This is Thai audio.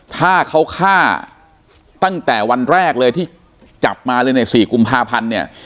ถ้าเขาฆ่าตั้งแต่วันแรกเลยที่จับมาเลยใน๔กุมภาพันธ์เนี่ย